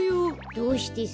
どうしてさ。